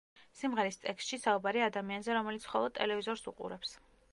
სიმღერის ტექსტში საუბარია ადამიანზე, რომელიც მხოლოდ ტელევიზორს უყურებს.